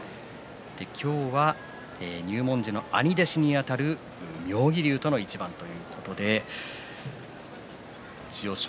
今日は入門時の兄弟子にあたる妙義龍との一番ということで千代翔